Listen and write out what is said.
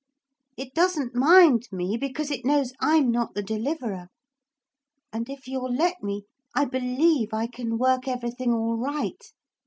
It doesn't mind me because it knows I'm not the Deliverer. And if you'll let me, I believe I can work everything all right.